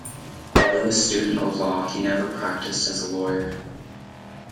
Although a student of law he never practised as a lawyer.